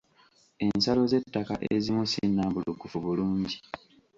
Ensalo z'ettaka ezimu si nnambulukufu bulungi.